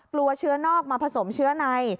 กลัวเชื้อนอกมาผสมเชื้อใน